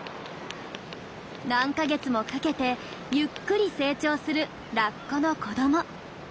何か月もかけてゆっくり成長するラッコの子ども。